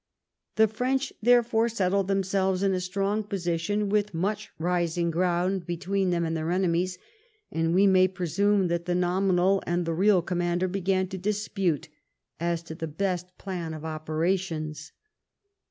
The French, therefore, settled themselves in a strong position, with much rising ground between them and their enemies, and we may presume that the nominal and the real commander be gan to dispute as to the best plan of operations.